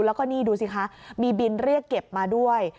แล้วก็นี่ดูสิคะมีบินเรียกเก็บมาด้วย